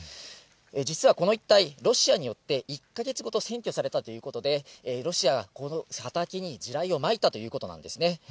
実はこの一帯、ロシアによって、１か月ほど占拠されたということで、ロシアはこの畑に地雷をまいたということなんですね。